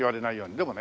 でもね